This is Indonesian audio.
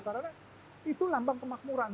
karena itu lambang kemakmuran